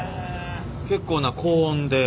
結構な高温で。